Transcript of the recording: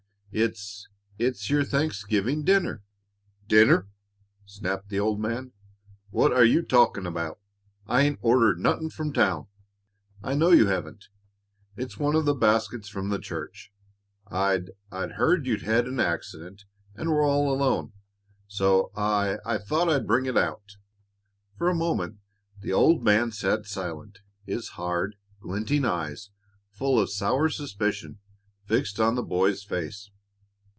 "It it's your Thanksgiving dinner." "Dinner!" snapped the old man. "What are you talkin' about? I ain't ordered nothin' from town." "I know you haven't. It's one of the baskets from the church. I I heard you'd had an accident and were all alone, so I I thought I'd bring it out." For a moment the old man sat silent, his hard, glinting eyes, full of sour suspicion, fixed on the boy's face.